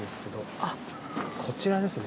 あっこちらですね